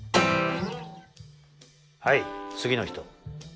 はい次の人。